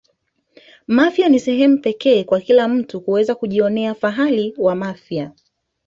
mafia ni sehemu ya kipekee kwa kila mtu kuweza kujionea fahari wa mafia